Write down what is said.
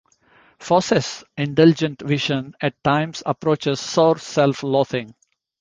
Fosse's indulgent vision at times approaches sour self-loathing.